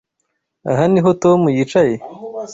Aha niho Tom yicaye?